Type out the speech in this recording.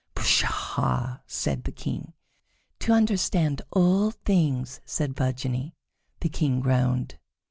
"Pshaw!" said the King. "To understand all things," said Virginie. The King groaned.